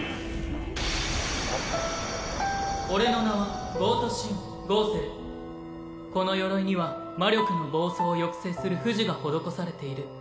俺の名は色欲の罪ゴこの鎧には魔力の暴走を抑制する付呪が施されている。